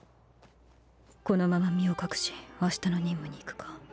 このまま身を隠し明日の任務に行くか。